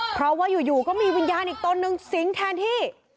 เพราะว่าอยู่ก็มีวิญญาณอีกตนนึงสิงแทนที่